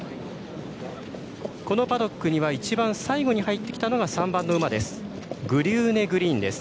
このパドックには一番、最後に入ってきたのが３番グリューネグリーンです。